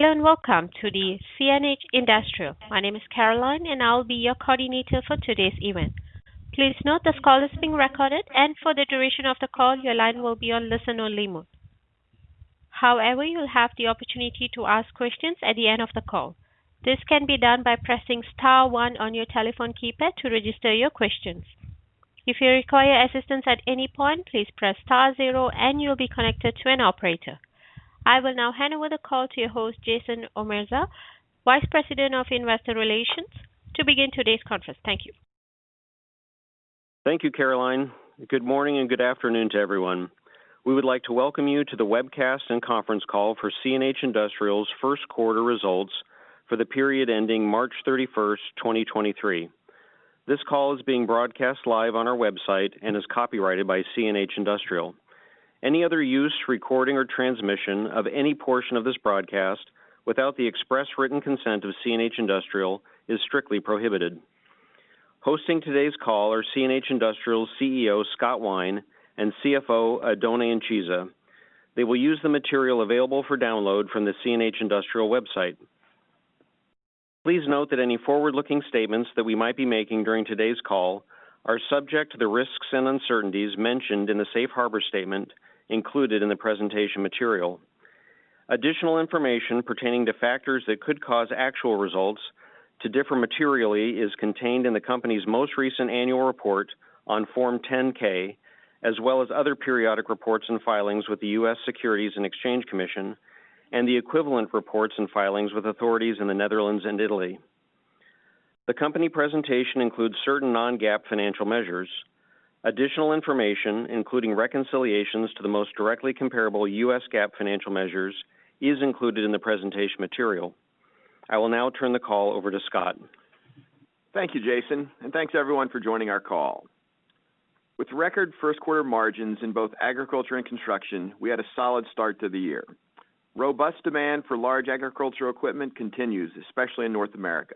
Hello and welcome to the CNH Industrial. My name is Caroline, and I'll be your coordinator for today's event. Please note this call is being recorded, and for the duration of the call, your line will be on listen-only mode. However, you'll have the opportunity to ask questions at the end of the call. This can be done by pressing star one on your telephone keypad to register your questions. If you require assistance at any point, please press star zero and you'll be connected to an operator. I will now hand over the call to your host, Jason Omerza, Vice President of Investor Relations, to begin today's conference. Thank you. Thank you, Caroline. Good morning and good afternoon to everyone. We would like to welcome you to the webcast and conference call for CNH Industrial's first quarter results for the period ending March 31st, 2023. This call is being broadcast live on our website and is copyrighted by CNH Industrial. Any other use, recording, or transmission of any portion of this broadcast without the express written consent of CNH Industrial is strictly prohibited. Hosting today's call are CNH Industrial's CEO, Scott Wine, and CFO, Oddone Incisa. They will use the material available for download from the CNH Industrial website. Please note that any forward-looking statements that we might be making during today's call are subject to the risks and uncertainties mentioned in the safe harbor statement included in the presentation material. Additional information pertaining to factors that could cause actual results to differ materially is contained in the company's most recent annual report on Form 10-K, as well as other periodic reports and filings with the US Securities and Exchange Commission and the equivalent reports and filings with authorities in the Netherlands and Italy. The company presentation includes certain non-GAAP financial measures. Additional information, including reconciliations to the most directly comparable US GAAP financial measures, is included in the presentation material. I will now turn the call over to Scott. Thank you, Jason, and thanks everyone for joining our call. With record first quarter margins in both agriculture and construction, we had a solid start to the year. Robust demand for large agricultural equipment continues, especially in North America.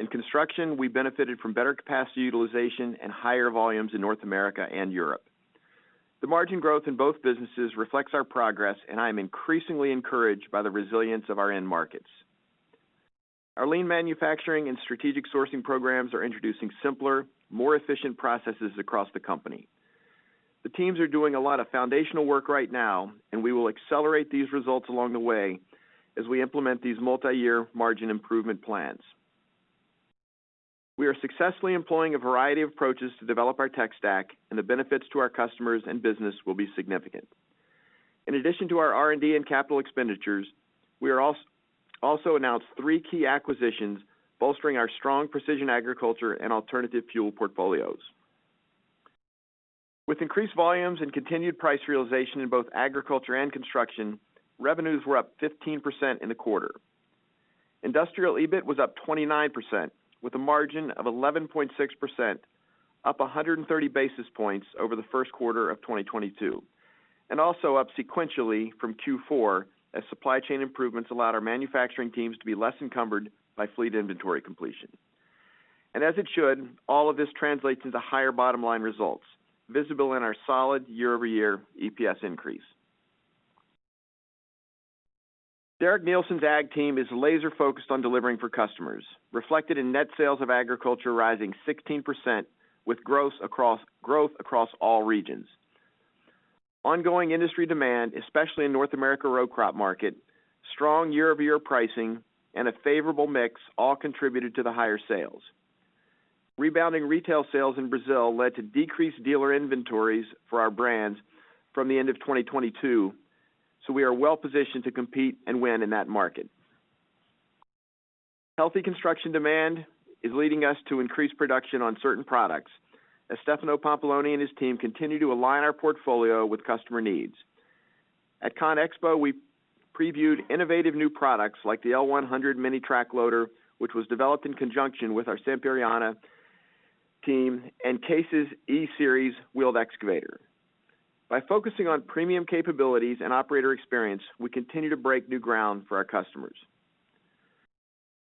In construction, we benefited from better capacity utilization and higher volumes in North America and Europe. The margin growth in both businesses reflects our progress, and I am increasingly encouraged by the resilience of our end markets. Our lean manufacturing and strategic sourcing programs are introducing simpler, more efficient processes across the company. The teams are doing a lot of foundational work right now, and we will accelerate these results along the way as we implement these multi-year margin improvement plans. We are successfully employing a variety of approaches to develop our tech stack, and the benefits to our customers and business will be significant. In addition to our R&D and capital expenditures, we also announced three key acquisitions bolstering our strong precision agriculture and alternative fuel portfolios. With increased volumes and continued price realization in both agriculture and construction, revenues were up 15% in the quarter. Industrial EBIT was up 29% with a margin of 11.6%, up 130 basis points over the first quarter of 2022, and also up sequentially from Q4 as supply chain improvements allowed our manufacturing teams to be less encumbered by fleet inventory completion. As it should, all of this translates into higher bottom line results visible in our solid year-over-year EPS increase. Derek Neilson's ag team is laser focused on delivering for customers, reflected in net sales of agriculture rising 16% with growth across all regions. Ongoing industry demand, especially in North America row crop market, strong year-over-year pricing, and a favorable mix all contributed to the higher sales. Rebounding retail sales in Brazil led to decreased dealer inventories for our brands from the end of 2022. We are well-positioned to compete and win in that market. Healthy construction demand is leading us to increase production on certain products as Stefano Pampalone and his team continue to align our portfolio with customer needs. At CONEXPO, we previewed innovative new products like the TL100 mini track loader, which was developed in conjunction with our Sampierana team and CASE's E-Series wheeled excavator. By focusing on premium capabilities and operator experience, we continue to break new ground for our customers.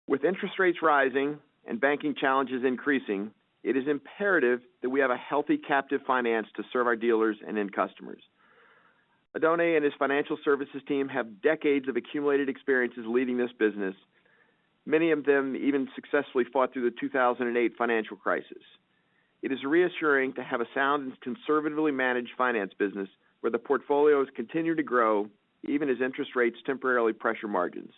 With interest rates rising and banking challenges increasing, it is imperative that we have a healthy captive finance to serve our dealers and end customers. Oddone and his financial services team have decades of accumulated experiences leading this business. Many of them even successfully fought through the 2008 financial crisis. It is reassuring to have a sound and conservatively managed finance business where the portfolios continue to grow even as interest rates temporarily pressure margins.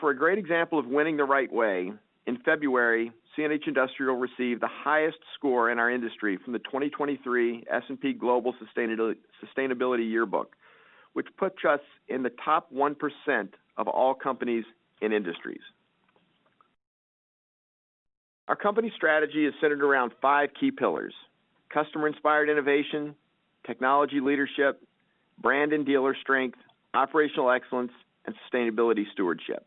For a great example of winning the right way, in February, CNH Industrial received the highest score in our industry from the 2023 S&P Global Sustainability Yearbook, which puts us in the top 1% of all companies and industries. Our company strategy is centered around five key pillars: customer-inspired innovation, technology leadership, brand and dealer strength, operational excellence, and sustainability stewardship.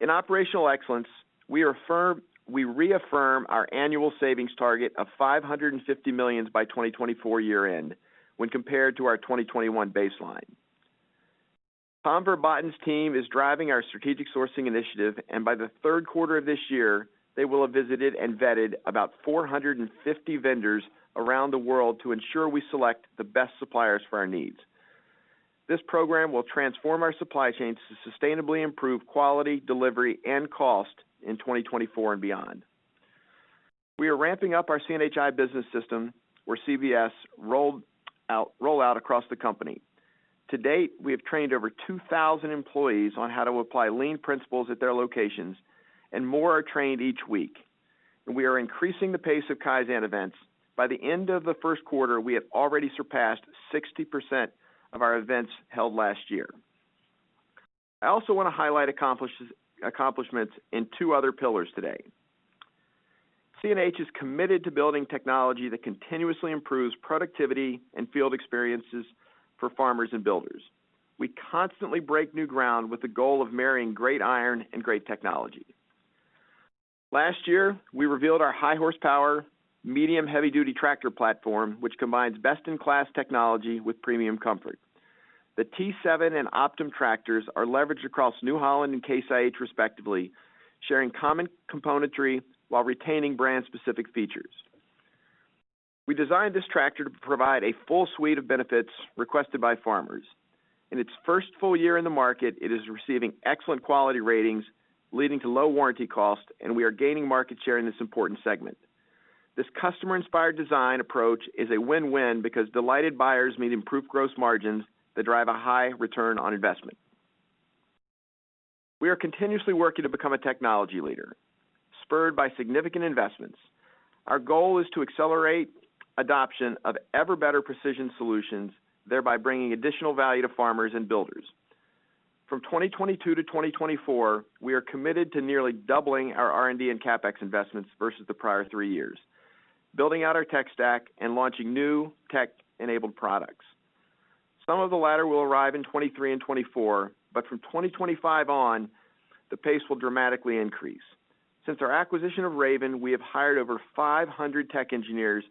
In operational excellence, we reaffirm our annual savings target of $550 million by 2024 year-end when compared to our 2021 baseline. Tom Verbaeten's team is driving our strategic sourcing initiative. By the third quarter of this year, they will have visited and vetted about 450 vendors around the world to ensure we select the best suppliers for our needs. This program will transform our supply chains to sustainably improve quality, delivery, and cost in 2024 and beyond. We are ramping up our CNH Industrial Business System, where CBS roll out across the company. To date, we have trained over 2,000 employees on how to apply lean principles at their locations. More are trained each week. We are increasing the pace of Kaizen events. By the end of the first quarter, we have already surpassed 60% of our events held last year. I also wanna highlight accomplishments in two other pillars today. CNH is committed to building technology that continuously improves productivity and field experiences for farmers and builders. We constantly break new ground with the goal of marrying great iron and great technology. Last year, we revealed our high horsepower, medium heavy-duty tractor platform, which combines best-in-class technology with premium comfort. The T7 and Optum tractors are leveraged across New Holland and Case IH, respectively, sharing common componentry while retaining brand-specific features. We designed this tractor to provide a full suite of benefits requested by farmers. In its first full year in the market, it is receiving excellent quality ratings, leading to low warranty costs, and we are gaining market share in this important segment. This customer-inspired design approach is a win-win because delighted buyers mean improved gross margins that drive a high return on investment. We are continuously working to become a technology leader, spurred by significant investments. Our goal is to accelerate adoption of ever-better precision solutions, thereby bringing additional value to farmers and builders. From 2022 to 2024, we are committed to nearly doubling our R&D and CapEx investments versus the prior three years, building out our tech stack and launching new tech-enabled products. Some of the latter will arrive in 2023 and 2024. From 2025 on, the pace will dramatically increase. Since our acquisition of Raven, we have hired over 500 tech engineers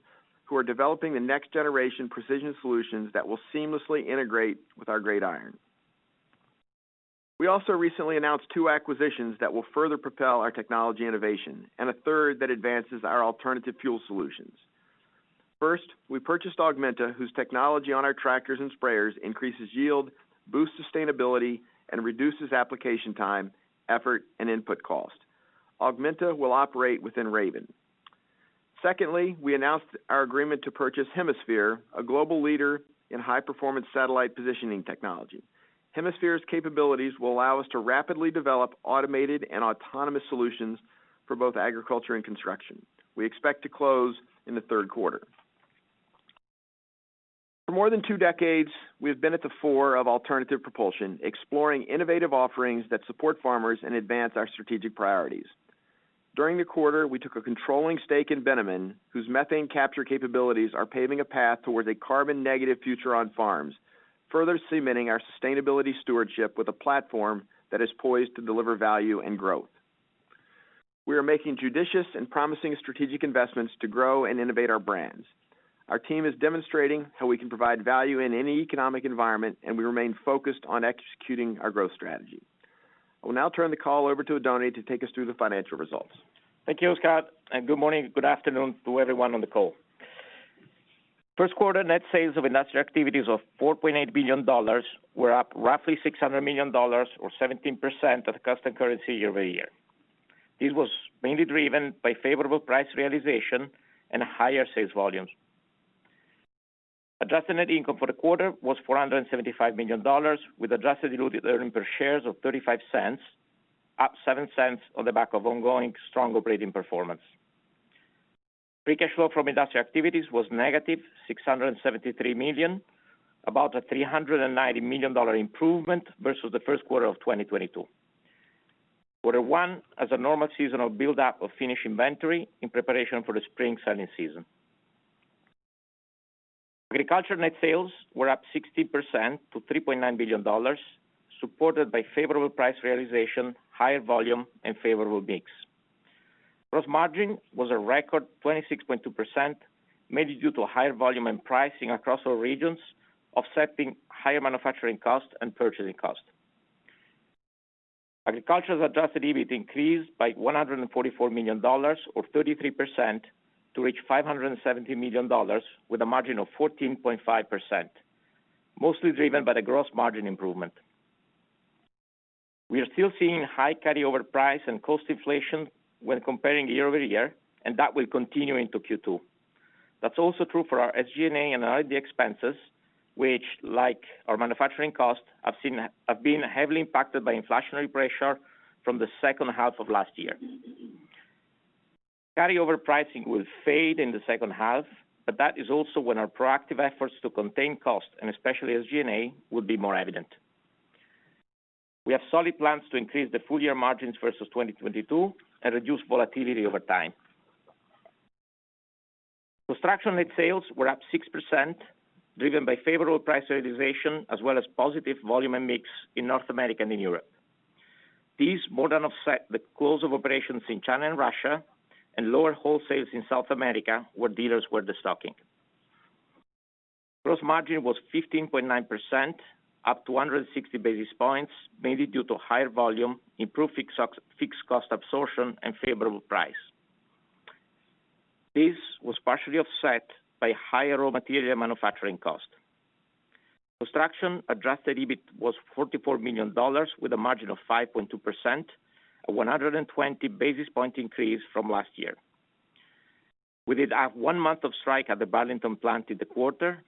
who are developing the next generation precision solutions that will seamlessly integrate with our great iron. We also recently announced two acquisitions that will further propel our technology innovation and a third that advances our alternative fuel solutions. First, we purchased Augmenta, whose technology on our tractors and sprayers increases yield, boosts sustainability, and reduces application time, effort, and input cost. Augmenta will operate within Raven. Secondly, we announced our agreement to purchase Hemisphere, a global leader in high-performance satellite positioning technology. Hemisphere's capabilities will allow us to rapidly develop automated and autonomous solutions for both agriculture and construction. We expect to close in the third quarter. For more than two decades, we have been at the fore of alternative propulsion, exploring innovative offerings that support farmers and advance our strategic priorities. During the quarter, we took a controlling stake in Bennamann, whose methane capture capabilities are paving a path towards a carbon-negative future on farms, further cementing our sustainability stewardship with a platform that is poised to deliver value and growth. We are making judicious and promising strategic investments to grow and innovate our brands. Our team is demonstrating how we can provide value in any economic environment, and we remain focused on executing our growth strategy. I will now turn the call over to Oddone to take us through the financial results. Thank you, Scott, good morning, good afternoon to everyone on the call. First quarter net sales of industrial activities of $4.8 billion were up roughly $600 million or 17% of the custom currency year-over-year. This was mainly driven by favorable price realization and higher sales volumes. Adjusted net income for the quarter was $475 million, with adjusted diluted earnings per shares of $0.35, up $0.07 on the back of ongoing strong operating performance. Free cash flow from industrial activities was negative $673 million, about a $390 million improvement versus the first quarter of 2022. Quarter one has a normal seasonal buildup of finished inventory in preparation for the spring selling season. Agriculture net sales were up 60% to $3.9 billion, supported by favorable price realization, higher volume, and favorable mix. Gross margin was a record 26.2%, mainly due to higher volume and pricing across all regions, offsetting higher manufacturing costs and purchasing costs. Agriculture's adjusted EBIT increased by $144 million or 33% to reach $570 million with a margin of 14.5%, mostly driven by the gross margin improvement. We are still seeing high carryover price and cost inflation when comparing year-over-year. That will continue into Q2. That's also true for our SG&A and R&D expenses, which like our manufacturing costs, have been heavily impacted by inflationary pressure from the second half of last year. Carryover pricing will fade in the second half, but that is also when our proactive efforts to contain costs, and especially SG&A, will be more evident. We have solid plans to increase the full-year margins versus 2022 and reduce volatility over time. Construction net sales were up 6%, driven by favorable price realization as well as positive volume and mix in North America and in Europe. These more than offset the close of operations in China and Russia and lower wholesales in South America, where dealers were destocking. Gross margin was 15.9%, up 160 basis points, mainly due to higher volume, improved fixed cost absorption, and favorable price. This was partially offset by higher raw material manufacturing cost. Construction adjusted EBIT was $44 million with a margin of 5.2%, a 120 basis point increase from last year. We did have one month of strike at the Burlington plant in the quarter.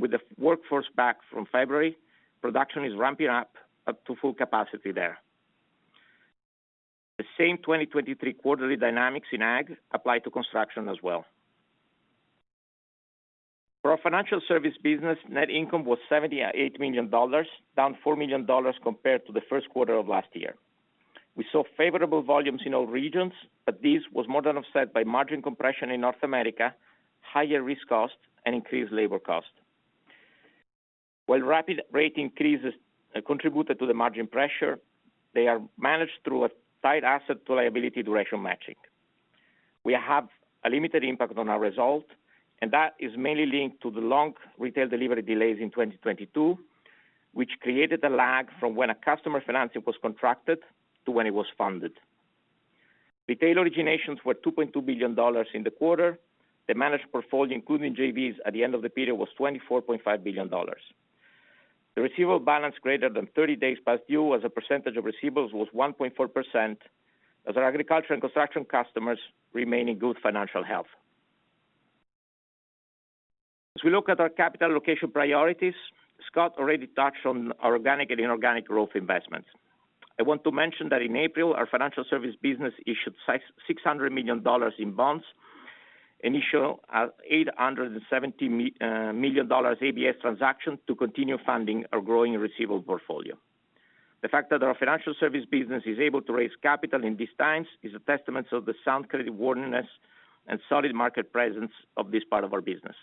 With the workforce back from February, production is ramping up to full capacity there. The same 2023 quarterly dynamics in Ag apply to construction as well. For our financial service business, net income was $78 million, down $4 million compared to the first quarter of last year. We saw favorable volumes in all regions. This was more than offset by margin compression in North America, higher risk costs, and increased labor cost. While rapid rate increases contributed to the margin pressure, they are managed through a tight asset to liability duration matching. We have a limited impact on our result. That is mainly linked to the long retail delivery delays in 2022, which created a lag from when a customer financing was contracted to when it was funded. Retail originations were $2.2 billion in the quarter. The managed portfolio, including JVs at the end of the period, was $24.5 billion. The receivable balance greater than 30 days past due as a percentage of receivables was 1.4% as our agriculture and construction customers remain in good financial health. As we look at our capital allocation priorities, Scott already touched on our organic and inorganic growth investments. I want to mention that in April, our financial service business issued $600 million in bonds, initial at $870 million ABS transaction to continue funding our growing receivable portfolio. The fact that our financial service business is able to raise capital in these times is a testament to the sound credit worthiness and solid market presence of this part of our business.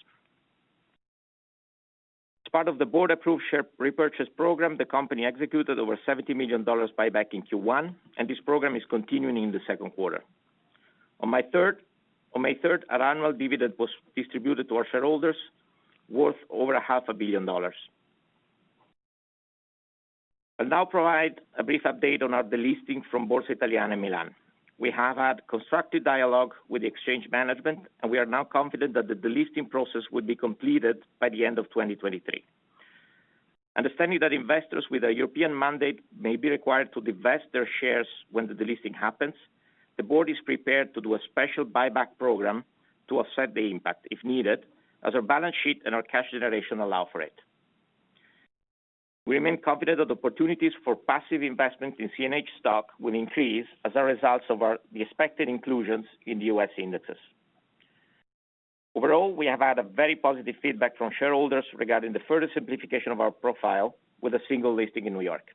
As part of the board-approved share repurchase program, the company executed over $70 million buyback in Q1, and this program is continuing in the second quarter. On May third, our annual dividend was distributed to our shareholders, worth over a half a billion dollars. I'll now provide a brief update on our delisting from Borsa Italiana, Milan. We have had constructive dialogue with the exchange management, and we are now confident that the delisting process will be completed by the end of 2023. Understanding that investors with a European mandate may be required to divest their shares when the delisting happens, the board is prepared to do a special buyback program to offset the impact if needed as our balance sheet and our cash generation allow for it. We remain confident that opportunities for passive investment in CNH stock will increase as a result of our the expected inclusions in the U.S. indexes. Overall, we have had a very positive feedback from shareholders regarding the further simplification of our profile with a single listing in New York.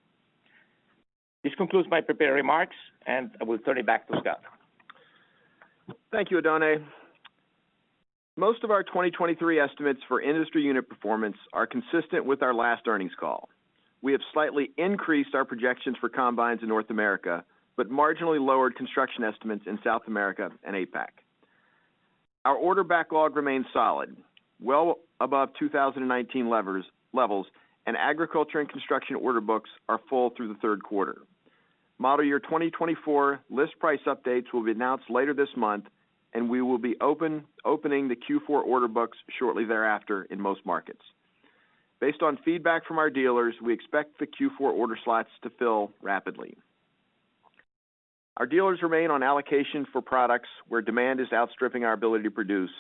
This concludes my prepared remarks, and I will turn it back to Scott. Thank you, Oddone. Most of our 2023 estimates for industry unit performance are consistent with our last earnings call. We have slightly increased our projections for combines in North America, marginally lowered construction estimates in South America and APAC. Our order backlog remains solid, well above 2019 levels, and agriculture and construction order books are full through the third quarter. Model year 2024 list price updates will be announced later this month, and we will be opening the Q4 order books shortly thereafter in most markets. Based on feedback from our dealers, we expect the Q4 order slots to fill rapidly. Our dealers remain on allocation for products where demand is outstripping our ability to produce,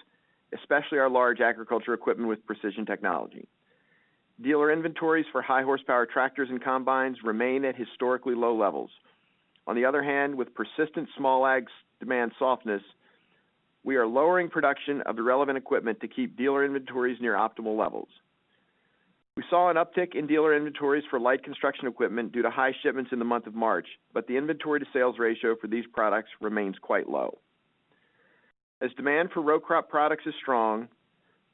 especially our large agriculture equipment with precision technology. Dealer inventories for high horsepower tractors and combines remain at historically low levels. With persistent small ag's demand softness, we are lowering production of the relevant equipment to keep dealer inventories near optimal levels. We saw an uptick in dealer inventories for light construction equipment due to high shipments in the month of March, but the inventory to sales ratio for these products remains quite low. Demand for row crop products is strong,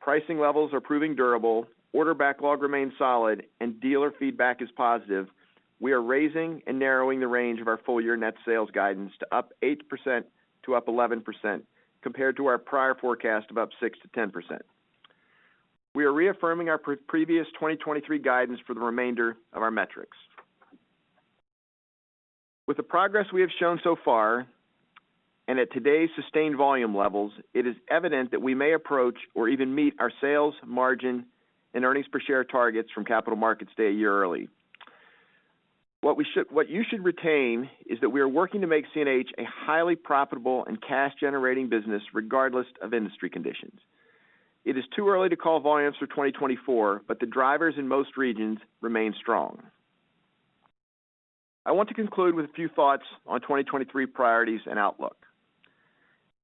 pricing levels are proving durable, order backlog remains solid, and dealer feedback is positive, we are raising and narrowing the range of our full year net sales guidance to up 8% to up 11% compared to our prior forecast of up 6%-10%. We are reaffirming our pre-previous 2023 guidance for the remainder of our metrics. With the progress we have shown so far and at today's sustained volume levels, it is evident that we may approach or even meet our sales margin and earnings per share targets from Capital Markets Day a year early. What you should retain is that we are working to make CNH a highly profitable and cash-generating business regardless of industry conditions. It is too early to call volumes for 2024. The drivers in most regions remain strong. I want to conclude with a few thoughts on 2023 priorities and outlook.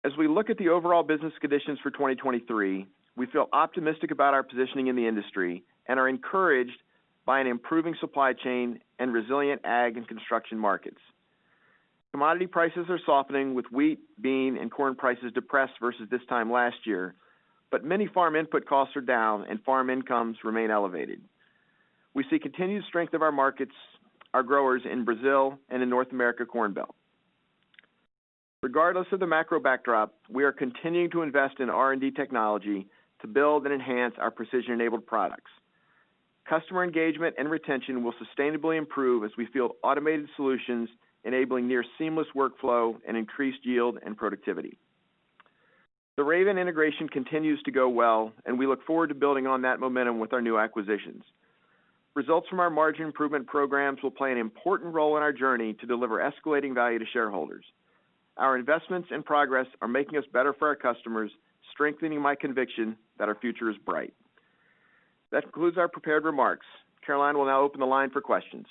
As we look at the overall business conditions for 2023, we feel optimistic about our positioning in the industry and are encouraged by an improving supply chain and resilient ag and construction markets. Commodity prices are softening with wheat, bean, and corn prices depressed versus this time last year, but many farm input costs are down and farm incomes remain elevated. We see continued strength of our markets, our growers in Brazil and in North America corn belt. Regardless of the macro backdrop, we are continuing to invest in R&D technology to build and enhance our precision-enabled products. Customer engagement and retention will sustainably improve as we feel automated solutions enabling near seamless workflow and increased yield and productivity. The Raven integration continues to go well, and we look forward to building on that momentum with our new acquisitions. Results from our margin improvement programs will play an important role in our journey to deliver escalating value to shareholders. Our investments and progress are making us better for our customers, strengthening my conviction that our future is bright. That concludes our prepared remarks. Caroline will now open the line for questions.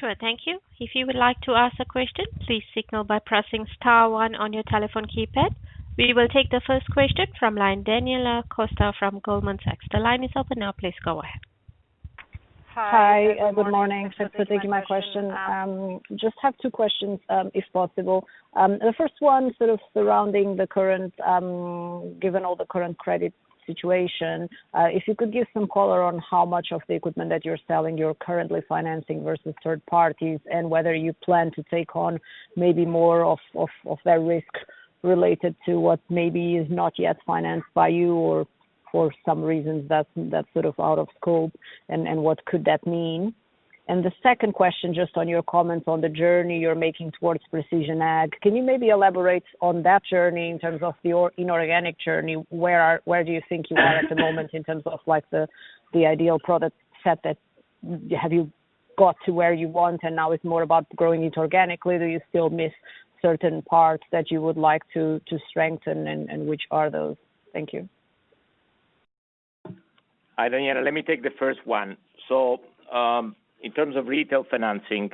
Sure. Thank you. If you would like to ask a question, please signal by pressing star one on your telephone keypad. We will take the first question from line, Daniela Costa from Goldman Sachs. The line is open now. Please go ahead. Hi. Good morning. Thanks for taking my question. just have two questions, if possible. The first one sort of surrounding the current, given all the current credit situation, if you could give some color on how much of the equipment that you're selling you're currently financing versus third parties, and whether you plan to take on maybe more of that risk related to what maybe is not yet financed by you or for some reasons that's sort of out of scope and what could that mean? The second question, just on your comments on the journey you're making towards precision ag. Can you maybe elaborate on that journey in terms of your inorganic journey? Where do you think you are at the moment in terms of like the ideal product set that... Have you got to where you want and now it's more about growing it organically? Do you still miss certain parts that you would like to strengthen and which are those? Thank you. Hi, Daniela. Let me take the first one. In terms of retail financing,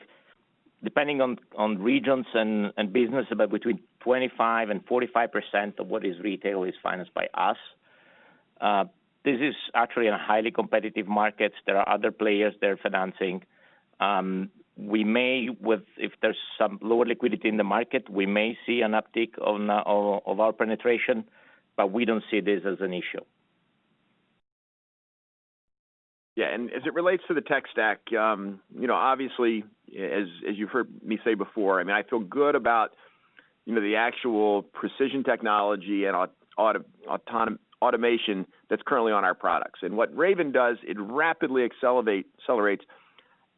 depending on regions and business, about between 25% and 45% of what is retail is financed by us. This is actually in highly competitive markets. There are other players that are financing. We may, if there's some lower liquidity in the market, we may see an uptick of our penetration, but we don't see this as an issue. Yeah. As it relates to the tech stack, you know, obviously as you've heard me say before, I mean, I feel good about, you know, the actual precision technology and automation that's currently on our products. What Raven does, it rapidly accelerates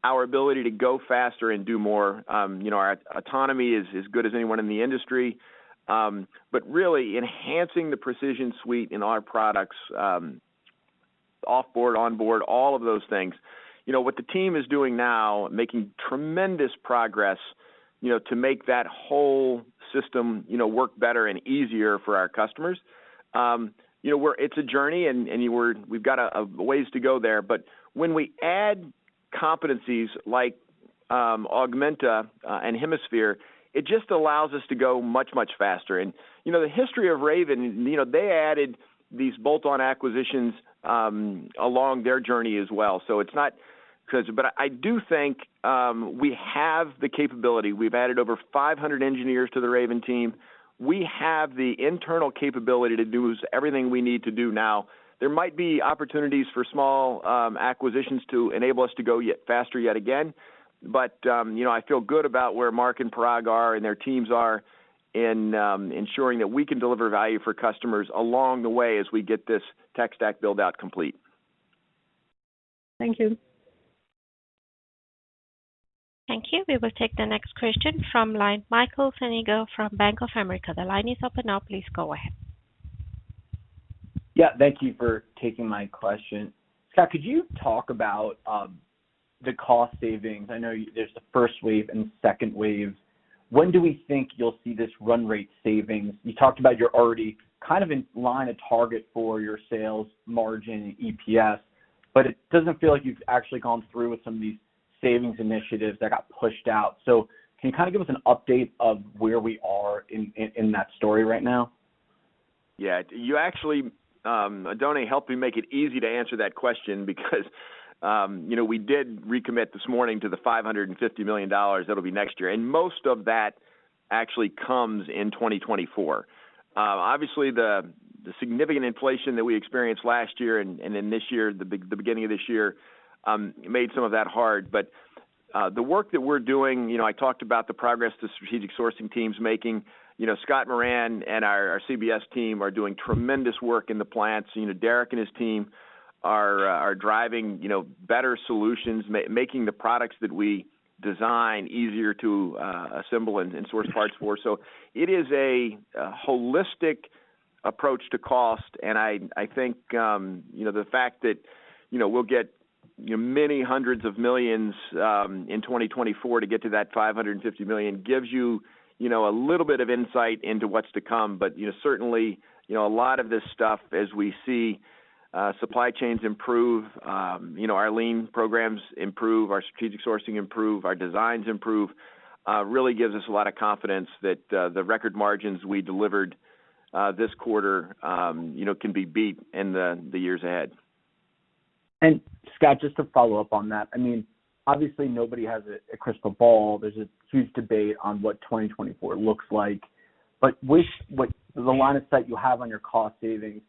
our ability to go faster and do more. You know, our autonomy is good as anyone in the industry. Really enhancing the precision suite in our products, off board, on board, all of those things. You know, what the team is doing now, making tremendous progress, you know, to make that whole system, you know, work better and easier for our customers. You know, it's a journey and we're, we've got a ways to go there. When we add competencies like, Augmenta, and Hemisphere, it just allows us to go much, much faster. You know, the history of Raven, you know, they added these bolt-on acquisitions, along their journey as well. It's not 'cause... I do think, we have the capability. We've added over 500 engineers to the Raven team. We have the internal capability to do everything we need to do now. There might be opportunities for small, acquisitions to enable us to go yet faster yet again. You know, I feel good about where Mark and Parag are and their teams are in, ensuring that we can deliver value for customers along the way as we get this tech stack build-out complete. Thank you. Thank you. We will take the next question from line, Michael Feniger from Bank of America. The line is open now. Please go ahead. Yeah. Thank you for taking my question. Scott, could you talk about the cost savings? I know there's the first wave and second wave. When do we think you'll see this run rate savings? You talked about you're already kind of in line a target for your sales margin and EPS, but it doesn't feel like you've actually gone through with some of these savings initiatives that got pushed out. Can you kind of give us an update of where we are in that story right now? Yeah. You actually, Oddone helped me make it easy to answer that question because, you know, we did recommit this morning to the $550 million that'll be next year, and most of that actually comes in 2024. Obviously the significant inflation that we experienced last year and then this year, the beginning of this year, made some of that hard. The work that we're doing, you know, I talked about the progress the strategic sourcing team's making. You know, Scott Moran and our CBS team are doing tremendous work in the plants. You know, Derek and his team are driving, you know, better solutions, making the products that we design easier to assemble and source parts for. It is a holistic approach to cost. I think, you know, the fact that, you know, we'll get many hundreds of millions in 2024 to get to that $550 million gives you know, a little bit of insight into what's to come. You know, certainly, you know, a lot of this stuff, as we see supply chains improve, you know, our lean programs improve, our strategic sourcing improve, our designs improve, really gives us a lot of confidence that the record margins we delivered this quarter, you know, can be beat in the years ahead. Scott, just to follow up on that, I mean, obviously nobody has a crystal ball. There's a huge debate on what 2024 looks like. With the line of sight you have on your cost savings,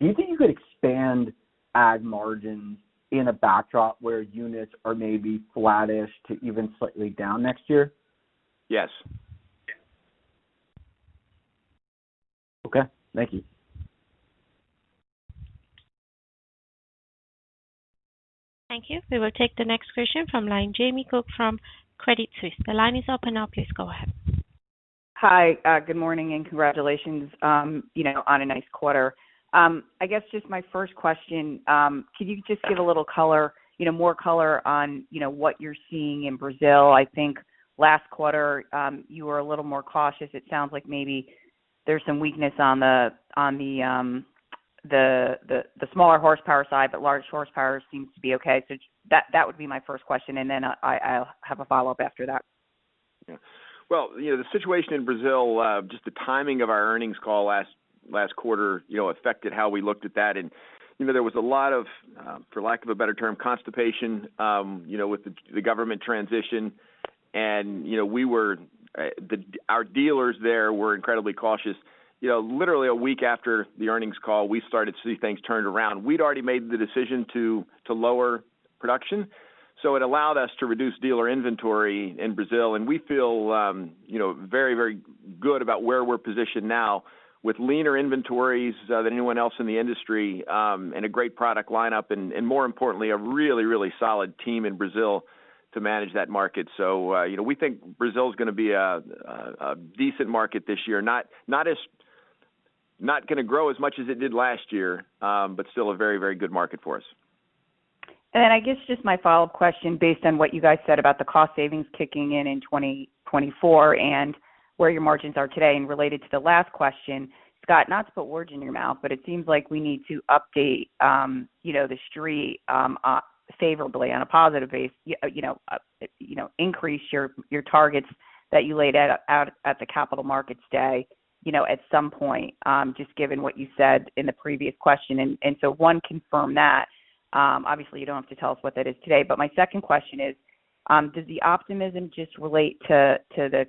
do you think you could expand ag margin in a backdrop where units are maybe flattish to even slightly down next year? Yes. Okay, thank you. Thank you. We will take the next question from line Jamie Cook from Credit Suisse. The line is open now. Please go ahead. Hi. Good morning and congratulations, you know, on a nice quarter. I guess just my first question, could you just give a little color, you know, more color on, you know, what you're seeing in Brazil? I think last quarter, you were a little more cautious. It sounds like maybe there's some weakness on the smaller horsepower side, but large horsepower seems to be okay. That would be my first question. I'll have a follow-up after that. Yeah. Well, you know, the situation in Brazil, just the timing of our earnings call last quarter, you know, affected how we looked at that. You know, there was a lot of, for lack of a better term, constipation, you know, with the government transition. You know, we were, our dealers there were incredibly cautious. You know, literally a week after the earnings call, we started to see things turned around. We'd already made the decision to lower production, so it allowed us to reduce dealer inventory in Brazil. We feel, you know, very, very good about where we're positioned now with leaner inventories than anyone else in the industry, and a great product lineup and more importantly, a really, really solid team in Brazil to manage that market. you know, we think Brazil is gonna be a decent market this year. Not gonna grow as much as it did last year, but still a very good market for us. I guess just my follow-up question, based on what you guys said about the cost savings kicking in in 2024 and where your margins are today, and related to the last question, Scott, not to put words in your mouth, but it seems like we need to update, you know, the street, favorably on a positive base. You know, you know, increase your targets that you laid out at the Capital Markets Day, you know, at some point, just given what you said in the previous question. One, confirm that. Obviously you don't have to tell us what that is today. My second question is, does the optimism just relate to the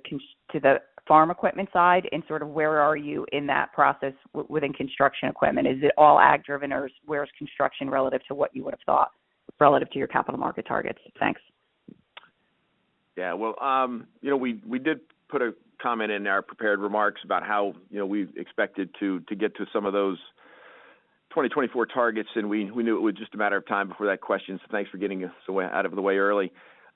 farm equipment side, and sort of where are you in that process within construction equipment? Is it all ag driven or where's construction relative to what you would have thought relative to your capital market targets? Thanks. Yeah. Well, you know, we did put a comment in our prepared remarks about how, you know, we expected to get to some of those 2024 targets, and we knew it was just a matter of time before that question, so thanks for getting us out of the way early.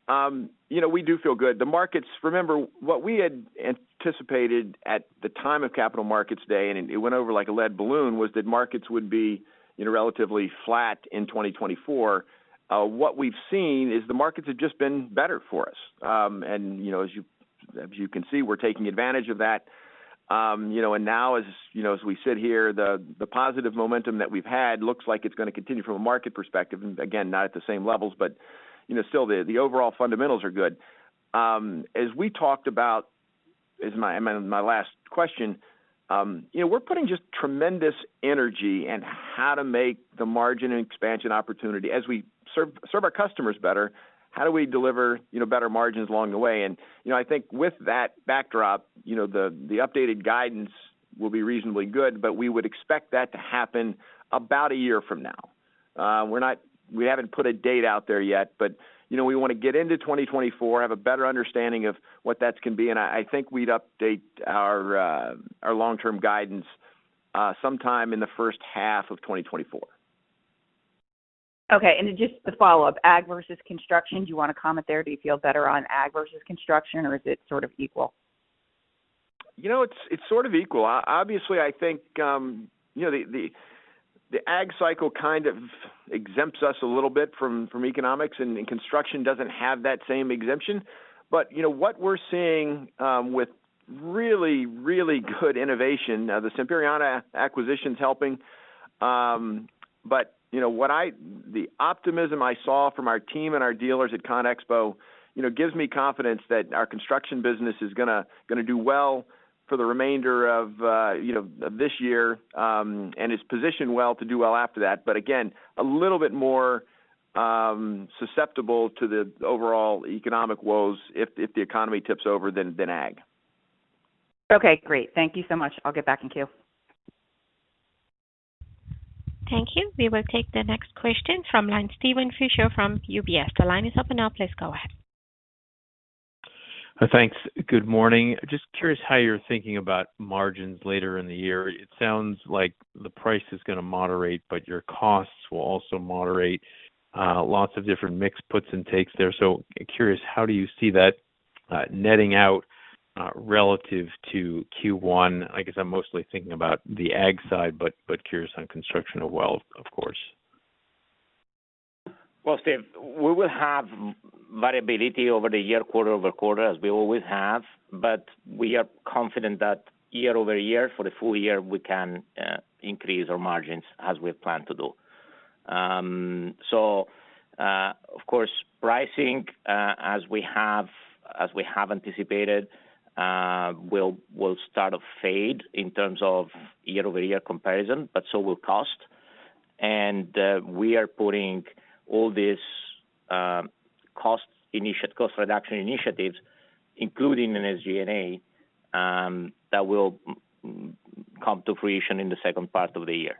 You know, we do feel good. The markets, remember, what we had anticipated at the time of Capital Markets Day, and it went over like a lead balloon, was that markets would be, you know, relatively flat in 2024. What we've seen is the markets have just been better for us. You know, as you, as you can see, we're taking advantage of that. You know, and now as, you know, as we sit here, the positive momentum that we've had looks like it's gonna continue from a market perspective, and again, not at the same levels, but, you know, still the overall fundamentals are good. As we talked about, as my last question, you know, we're putting just tremendous energy in how to make the margin and expansion opportunity as we serve our customers better, how do we deliver, you know, better margins along the way? You know, I think with that backdrop, you know, the updated guidance will be reasonably good, but we would expect that to happen about a year from now. We haven't put a date out there yet. You know, we wanna get into 2024, have a better understanding of what that's gonna be. I think we'd update our long-term guidance sometime in the first half of 2024. Okay. Just the follow-up, ag versus construction. Do you want to comment there? Do you feel better on ag versus construction or is it sort of equal? You know, it's sort of equal. Obviously, I think, you know, the ag cycle kind of exempts us a little bit from economics and construction doesn't have that same exemption. You know, what we're seeing with really, really good innovation, the Sampierana acquisition's helping. You know, what the optimism I saw from our team and our dealers at CONEXPO, you know, gives me confidence that our construction business is gonna do well for the remainder of this year and is positioned well to do well after that. Again, a little bit more susceptible to the overall economic woes if the economy tips over than ag. Okay, great. Thank you so much. I'll get back in queue. Thank you. We will take the next question from line Steven Fisher from UBS. The line is open now. Please go ahead. Thanks. Good morning. Just curious how you're thinking about margins later in the year. It sounds like the price is gonna moderate, but your costs will also moderate. Lots of different mix puts and takes there. Curious, how do you see that netting out relative to Q1? I guess I'm mostly thinking about the ag side, but curious on construction as well, of course. Steve, we will have variability over the year, quarter-over-quarter as we always have, but we are confident that year-over-year for the full year, we can increase our margins as we plan to do. Of course, pricing, as we have anticipated, will start to fade in terms of year-over-year comparison, but so will cost. We are putting all this cost reduction initiatives, including in SG&A, that will come to fruition in the second part of the year.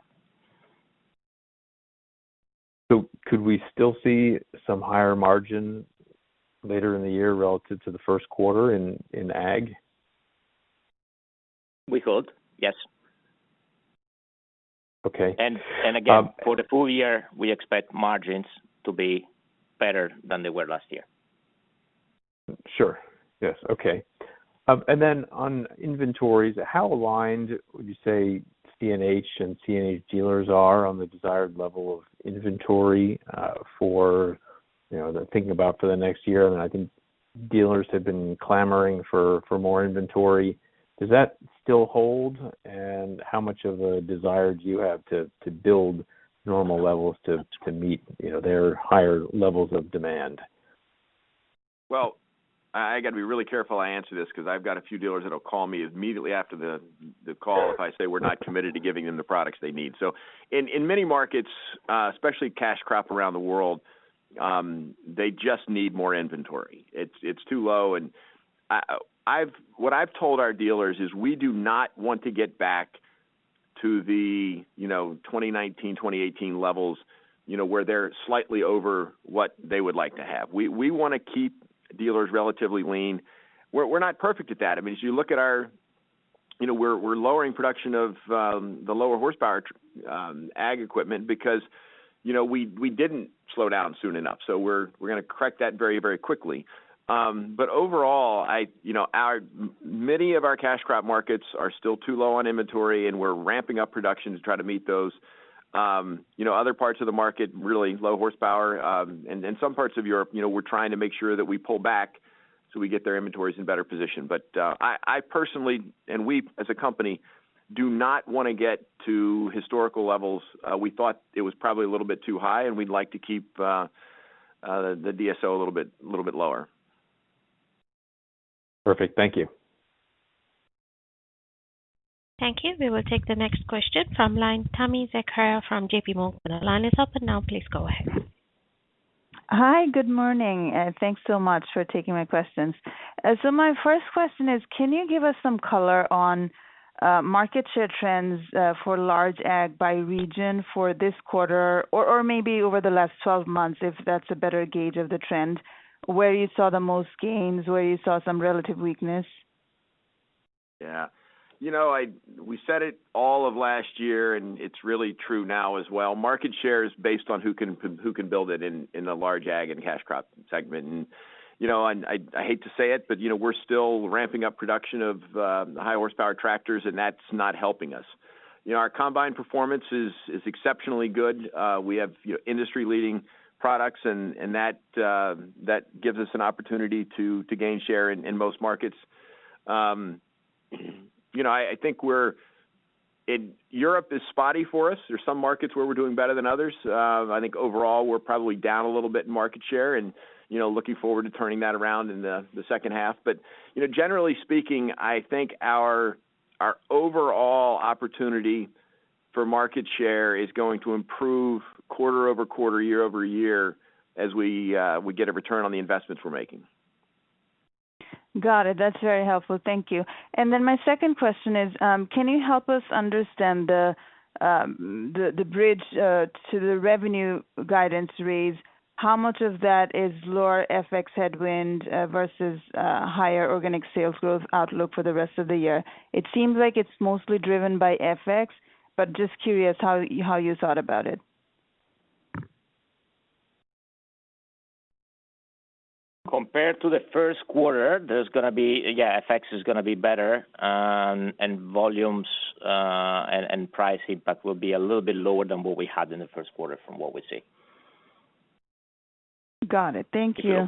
Could we still see some higher margin later in the year relative to the first quarter in ag? We could, yes. Okay. again Um- For the full year, we expect margins to be better than they were last year. Sure. Yes. Okay. On inventories, how aligned would you say CNH and CNH dealers are on the desired level of inventory, for, you know, they're thinking about for the next year, and I think dealers have been clamoring for more inventory. Does that still hold? How much of a desire do you have to build normal levels to meet, you know, their higher levels of demand? I gotta be really careful I answer this because I've got a few dealers that'll call me immediately after if I say we're not committed to giving them the products they need. In many markets, especially cash crop around the world, they just need more inventory. It's, it's too low. What I've told our dealers is we do not want to get back to the, you know, 2019, 2018 levels, you know, where they're slightly over what they would like to have. We, we wanna keep dealers relatively lean. We're, we're not perfect at that. I mean, as you look at our, you know, we're lowering production of the lower horsepower ag equipment because, you know, we didn't slow down soon enough. We're, we're gonna correct that very, very quickly. Overall, I, you know, our many of our cash crop markets are still too low on inventory, and we're ramping up production to try to meet those. You know, other parts of the market, really low horsepower. In some parts of Europe, you know, we're trying to make sure that we pull back so we get their inventories in better position. I personally, and we as a company, do not wanna get to historical levels. We thought it was probably a little bit too high, and we'd like to keep the DSO a little bit lower. Perfect. Thank you. Thank you. We will take the next question from line, Tami Zakaria from JPMorgan. The line is open now. Please go ahead. Hi. Good morning, thanks so much for taking my questions. My first question is, can you give us some color on market share trends for large ag by region for this quarter or maybe over the last 12 months, if that's a better gauge of the trend, where you saw the most gains, where you saw some relative weakness? Yeah. You know, we said it all of last year, and it's really true now as well. Market share is based on who can build it in the large ag and cash crop segment. You know, I hate to say it, but, you know, we're still ramping up production of high horsepower tractors, and that's not helping us. You know, our combine performance is exceptionally good. We have, you know, industry-leading products and that gives us an opportunity to gain share in most markets. You know, I think Europe is spotty for us. There's some markets where we're doing better than others. I think overall, we're probably down a little bit in market share and, you know, looking forward to turning that around in the second half. You know, generally speaking, I think our overall opportunity for market share is going to improve quarter-over-quarter, year-over-year as we get a return on the investment we're making. Got it. That's very helpful. Thank you. Then my second question is, can you help us understand the bridge to the revenue guidance raise? How much of that is lower FX headwind, versus higher organic sales growth outlook for the rest of the year? It seems like it's mostly driven by FX, but just curious how you thought about it. Compared to the first quarter, there's gonna be, yeah, FX is gonna be better, and volumes, and price impact will be a little bit lower than what we had in the first quarter from what we see. Got it. Thank you. Yeah.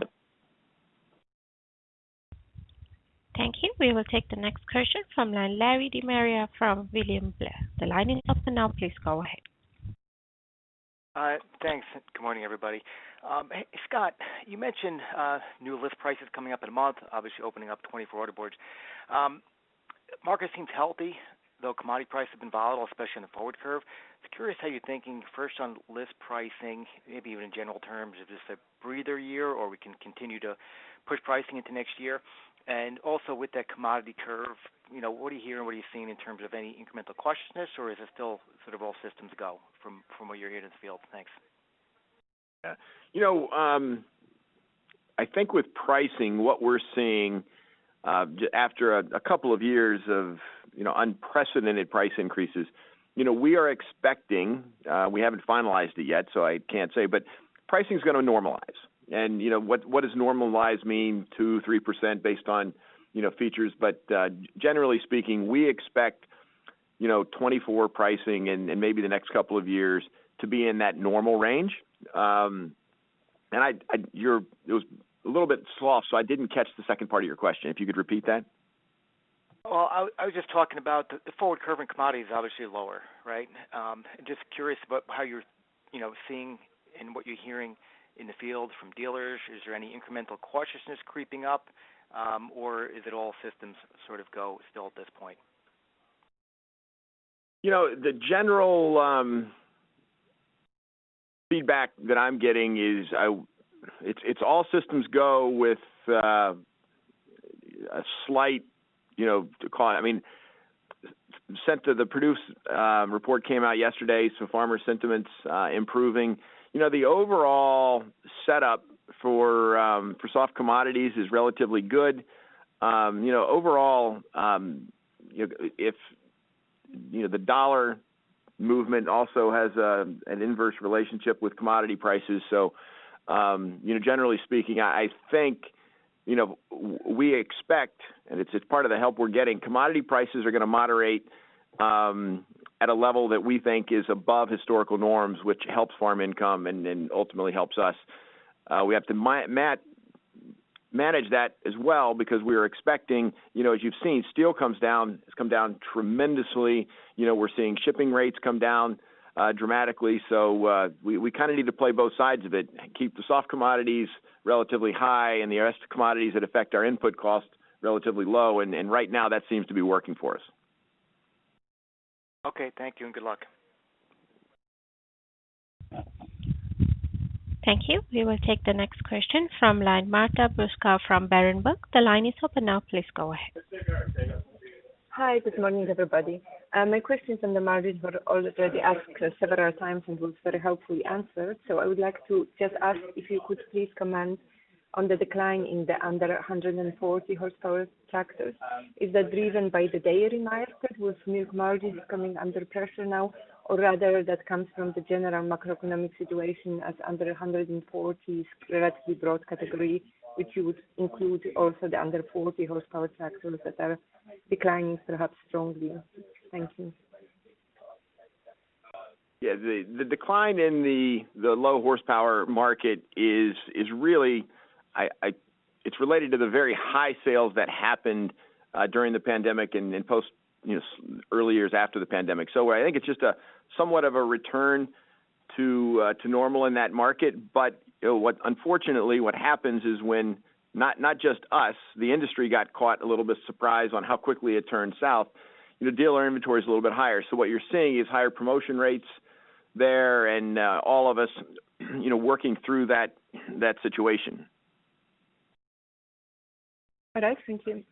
Thank you. We will take the next question from line, Larry De Maria from William Blair. The line is open now. Please go ahead. Thanks, and good morning, everybody. Scott, you mentioned new list prices coming up in a month, obviously opening up 2024 order boards. Market seems healthy, though commodity prices have been volatile, especially in the forward curve. Just curious how you're thinking, first on list pricing, maybe even in general terms. Is this a breather year or we can continue to push pricing into next year? Also, with that commodity curve, you know, what are you hearing? What are you seeing in terms of any incremental cautiousness, or is it still sort of all systems go from what you're hearing in the field? Thanks. Yeah. You know, I think with pricing, what we're seeing, after a couple of years of, you know, unprecedented price increases, you know, we are expecting, we haven't finalized it yet, so I can't say, but pricing's gonna normalize. You know, what does normalize mean? 2%, 3% based on, you know, features. Generally speaking, we expect, you know, 2024 pricing and maybe the next couple of years to be in that normal range. I, it was a little bit slough, so I didn't catch the second part of your question, if you could repeat that. Well, I was just talking about the forward curve in commodity is obviously lower, right? Just curious about how you're, you know, seeing and what you're hearing in the field from dealers. Is there any incremental cautiousness creeping up? Or is it all systems sort of go still at this point? You know, the general feedback that I'm getting is it's all systems go. Slight, you know, decline. I mean, sent to the produce report came out yesterday. Farmer sentiment's improving. You know, the overall setup for soft commodities is relatively good. You know, overall, you know, if, you know, the dollar movement also has an inverse relationship with commodity prices. You know, generally speaking, I think, you know, we expect, and it's part of the help we're getting. Commodity prices are gonna moderate at a level that we think is above historical norms, which helps farm income and ultimately helps us. We have to manage that as well because we're expecting, you know, as you've seen, steel comes down, has come down tremendously. You know, we're seeing shipping rates come down, dramatically. We kind of need to play both sides of it, keep the soft commodities relatively high and the rest of commodities that affect our input costs relatively low. Right now, that seems to be working for us. Okay. Thank you, and good luck. Thank you. We will take the next question from line. Marta Bruska from Berenberg. The line is open now. Please go ahead. Hi. Good morning, everybody. My questions on the margins were already asked several times and was very helpfully answered. I would like to just ask if you could please comment on the decline in the under 140 horsepower tractors. Is that driven by the dairy market, with milk margins coming under pressure now? Rather that comes from the general macroeconomic situation as under 140 is a relatively broad category, which you would include also the under 40 horsepower tractors that are declining perhaps strongly. Thank you. The decline in the low horsepower market is really. It's related to the very high sales that happened during the pandemic and post, you know, early years after the pandemic. I think it's just a somewhat of a return to normal in that market. You know, unfortunately, what happens is when not just us, the industry got caught a little bit surprised on how quickly it turned south. You know, dealer inventory is a little bit higher. What you're seeing is higher promotion rates there and all of us, you know, working through that situation. All right. Thank you.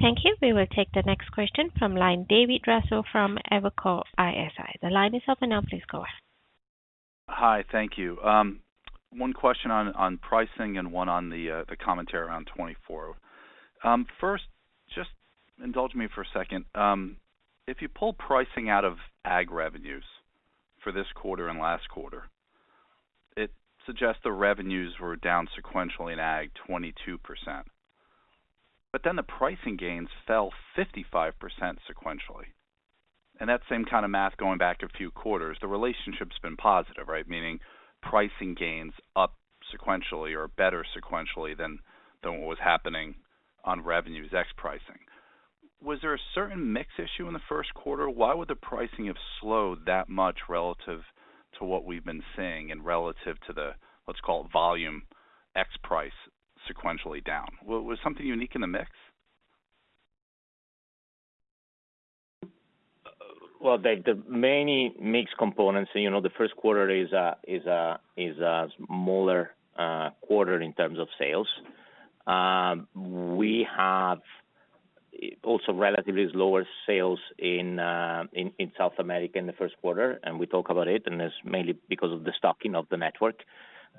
Thank you. We will take the next question from line. David Raso from Evercore ISI. The line is open now. Please go ahead. Hi. Thank you. One question on pricing and one on the commentary around 2024. First, just indulge me for a second. If you pull pricing out of ag revenues for this quarter and last quarter, it suggests the revenues were down sequentially in ag 22%, but then the pricing gains fell 55% sequentially. That same kind of math going back a few quarters, the relationship's been positive, right? Meaning pricing gains up sequentially or better sequentially than what was happening on revenues ex pricing. Was something unique in the mix? Well, the many mix components, you know, the first quarter is a smaller quarter in terms of sales. We have also relatively lower sales in South America in the first quarter, and we talk about it, and it's mainly because of the stocking of the network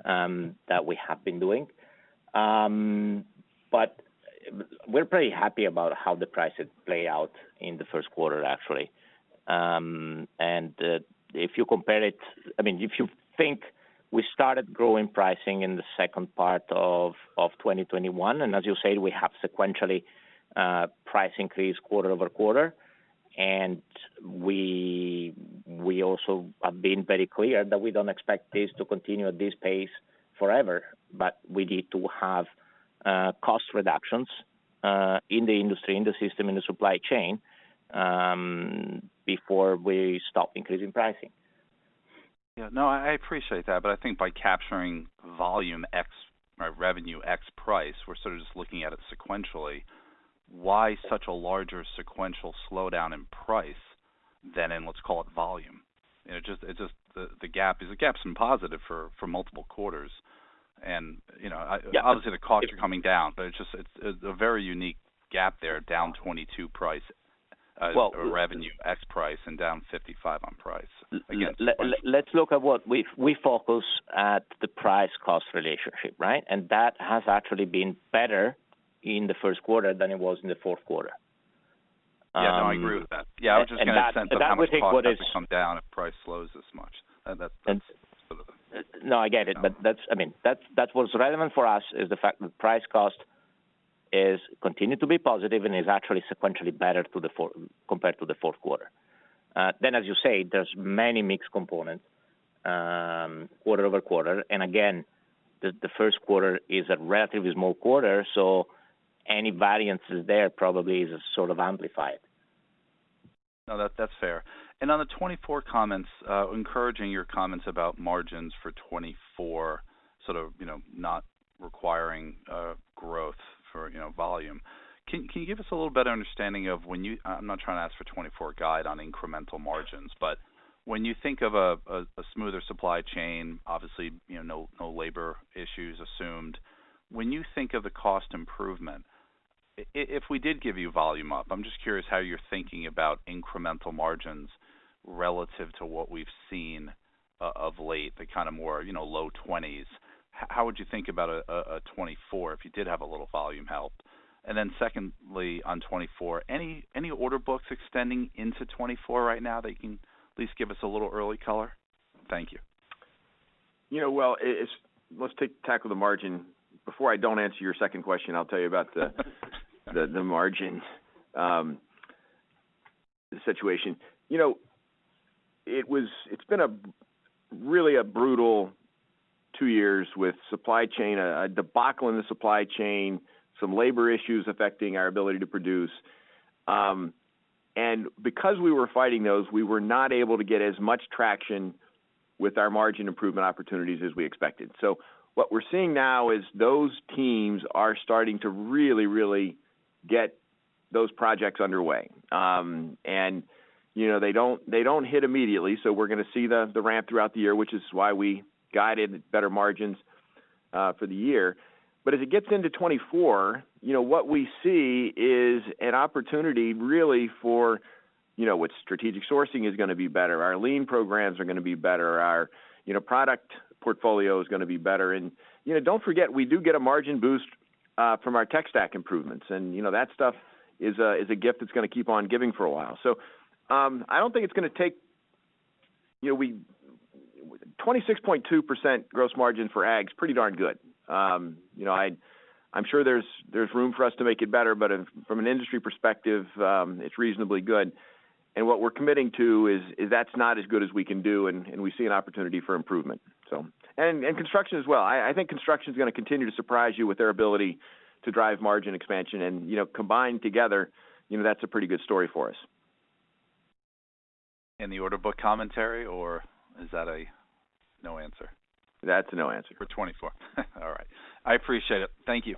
that we have been doing. We're pretty happy about how the prices play out in the first quarter, actually. If you compare it. I mean, if you think we started growing pricing in the second part of 2021, and as you say, we have sequentially price increase quarter-over-quarter. We also have been very clear that we don't expect this to continue at this pace forever, we need to have cost reductions in the industry, in the system, in the supply chain before we stop increasing pricing. Yeah. No, I appreciate that. I think by capturing volume ex or revenue ex price, we're sort of just looking at it sequentially. Why such a larger sequential slowdown in price than in, let's call it volume? You know, just, it's just the gap's been positive for multiple quarters. You know. Yeah. Obviously, the costs are coming down, but it's just, it's a very unique gap there, down 22 price. Well- Revenue ex price and down 55 on price. Let's look at what we focus at the price cost relationship, right? That has actually been better in the first quarter than it was in the fourth quarter. Yeah. No, I agree with that. Yeah. I was just getting a sense of how much costs. That would take. Have to come down if price slows this much. That's sort of. No, I get it. That's, I mean, that's what's relevant for us is the fact that price cost is continued to be positive and is actually sequentially better compared to the fourth quarter. As you say, there's many mixed components, quarter-over-quarter. Again, the first quarter is a relatively small quarter, so any variances there probably is sort of amplified. No, that's fair. On the 2024 comments, encouraging your comments about margins for 2024, sort of, you know, not requiring growth for, you know, volume. Can you give us a little better understanding? I'm not trying to ask for 2024 guide on incremental margins, but when you think of a smoother supply chain, obviously, you know, no labor issues assumed. When you think of the cost improvement, if we did give you volume up, I'm just curious how you're thinking about incremental margins relative to what we've seen of late, the kind of more, you know, low 20s%. How would you think about a 2024 if you did have a little volume help? Secondly, on 2024, any order books extending into 2024 right now that you can at least give us a little early color? Thank you. You know, well, let's tackle the margin. Before I don't answer your second question, I'll tell you about the margin situation. You know, it's been a really a brutal two years with supply chain, a debacle in the supply chain, some labor issues affecting our ability to produce. Because we were fighting those, we were not able to get as much traction with our margin improvement opportunities as we expected. What we're seeing now is those teams are starting to really get those projects underway. You know, they don't, they don't hit immediately, so we're gonna see the ramp throughout the year, which is why we guided better margins for the year. As it gets into 2024, you know, what we see is an opportunity really for, you know, with strategic sourcing is gonna be better, our lean programs are gonna be better, our, you know, product portfolio is gonna be better. Don't forget we do get a margin boost from our tech stack improvements. You know, that stuff is a, is a gift that's gonna keep on giving for a while. I don't think it's gonna take. You know, 26.2% gross margin for ag is pretty darn good. You know, I'm sure there's room for us to make it better, but from an industry perspective, it's reasonably good. What we're committing to is that's not as good as we can do and we see an opportunity for improvement, so. Construction as well. I think construction is gonna continue to surprise you with their ability to drive margin expansion. You know, combined together, you know, that's a pretty good story for us. Any order book commentary or is that a no answer? That's a no answer. For 2024. All right. I appreciate it. Thank you.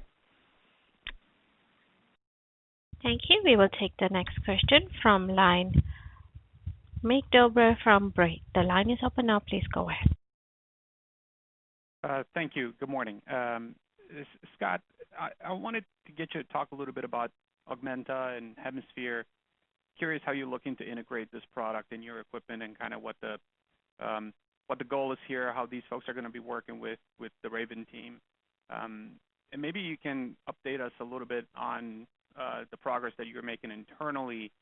Thank you. We will take the next question from line Mircea Dobre from Baird. The line is open now. Please go ahead. Thank you. Good morning. Scott, I wanted to get you to talk a little bit about Augmenta and Hemisphere. Curious how you're looking to integrate this product in your equipment and kind of what the goal is here, how these folks are gonna be working with the Raven team. Maybe you can update us a little bit on the progress that you're making internally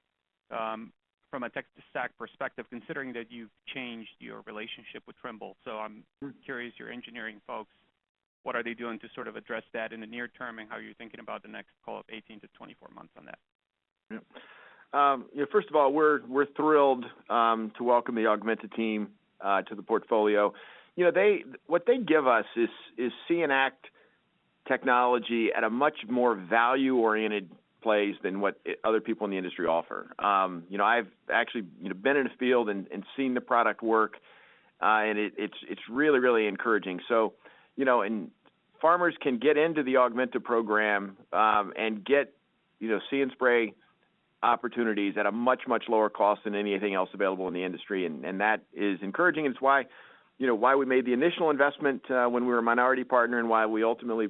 from a tech to stack perspective, considering that you've changed your relationship with Trimble. I'm curious, your engineering folks, what are they doing to sort of address that in the near term, and how are you thinking about the next call of 18-24 months on that? Yeah. You know, first of all, we're thrilled to welcome the Augmenta team to the portfolio. You know, what they give us is See & Act technology at a much more value-oriented place than what other people in the industry offer. You know, I've actually, you know, been in the field and seen the product work, and it's really encouraging. You know, and farmers can get into the Augmenta program, and get, you know, See & Spray opportunities at a much lower cost than anything else available in the industry. And that is encouraging, and it's why, you know, why we made the initial investment, when we were a minority partner and why we ultimately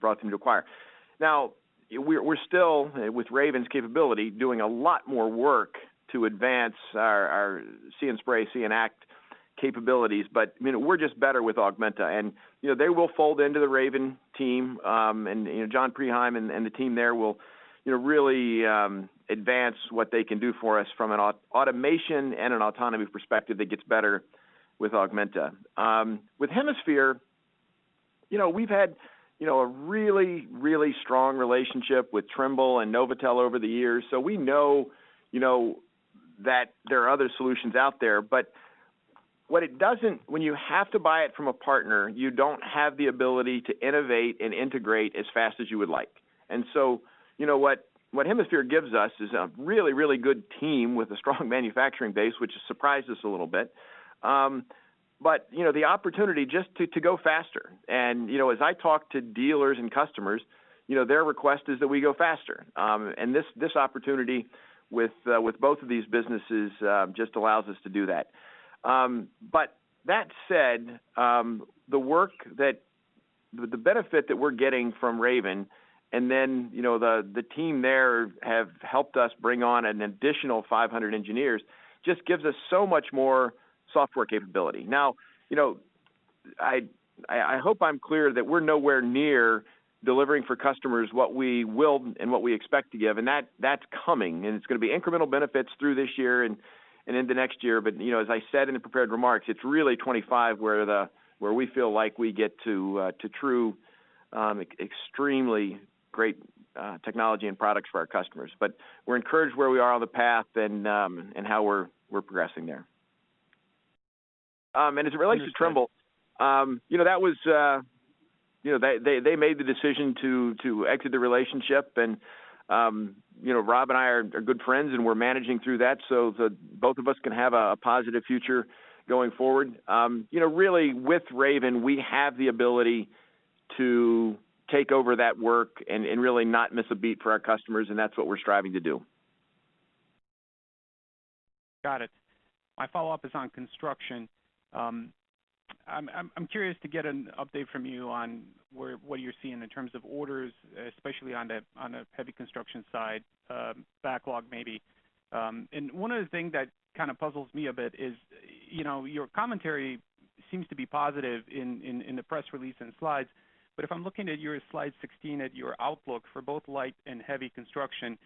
brought them to acquire. Now, we're still, with Raven's capability, doing a lot more work to advance our See & Spray, See & Act capabilities. I mean, we're just better with Augmenta. You know, they will fold into the Raven team, and, you know, John Preheim and the team there will, you know, really advance what they can do for us from an automation and an autonomy perspective that gets better with Augmenta. With Hemisphere, you know, we've had, you know, a really strong relationship with Trimble and NovAtel over the years. We know, you know, that there are other solutions out there, when you have to buy it from a partner, you don't have the ability to innovate and integrate as fast as you would like. You know, what Hemisphere gives us is a really, really good team with a strong manufacturing base, which has surprised us a little bit. You know, the opportunity just to go faster. You know, as I talk to dealers and customers, you know, their request is that we go faster. This opportunity with both of these businesses just allows us to do that. That said, the benefit that we're getting from Raven and then, you know, the team there have helped us bring on an additional 500 engineers just gives us so much more software capability. You know, I hope I'm clear that we're nowhere near delivering for customers what we will and what we expect to give, and that's coming. It's gonna be incremental benefits through this year and into next year. You know, as I said in the prepared remarks, it's really 25 where we feel like we get to true, extremely great technology and products for our customers. We're encouraged where we are on the path and how we're progressing there. As it relates to Trimble, you know, that was, you know, they made the decision to exit the relationship. You know, Rob and I are good friends, and we're managing through that so that both of us can have a positive future going forward. You know, really, with Raven, we have the ability to take over that work and really not miss a beat for our customers, and that's what we're striving to do. Got it. My follow-up is on construction. I'm curious to get an update from you on what you're seeing in terms of orders, especially on the heavy construction side, backlog maybe. And one of the things that kind of puzzles me a bit is, you know, your commentary seems to be positive in the press release and slides, but if I'm looking at your slide 16 at your outlook for both light and heavy construction,